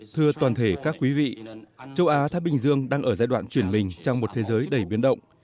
thưa toàn thể các quý vị châu á thái bình dương đang ở giai đoạn chuyển mình trong một thế giới đầy biến động